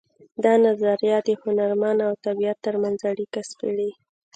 دا نظریه د هنرمن او طبیعت ترمنځ اړیکه سپړي